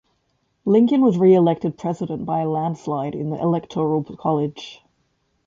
Lincoln was re-elected president by a landslide in the Electoral College.